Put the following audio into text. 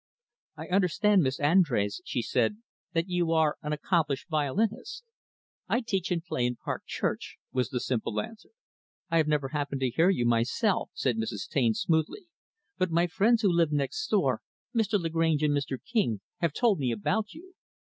"I understand, Miss Andrés," she said, "that you are an accomplished violinist." "I teach and play in Park Church," was the simple answer. "I have never happened to hear you, myself," said Mrs. Taine smoothly, "but my friends who live next door Mr. Lagrange and Mr. King have told me about you."